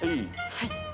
はい。